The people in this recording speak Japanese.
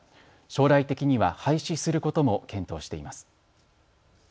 将来的には廃止することも検討しています。